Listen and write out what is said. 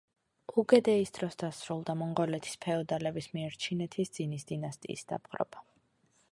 უგედეის დროს დასრულდა მონღოლეთის ფეოდალების მიერ ჩინეთის ძინის დინასტიის დაპყრობა.